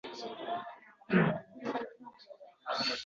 Yaxshilikcha ayt, pullaring qaerda